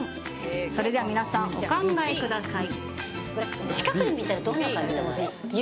それでは皆さんお考えください。